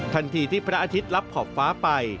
ทันทีที่พระอาทิตย์รับขอบฟ้าไป